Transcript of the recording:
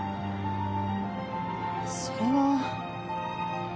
それは。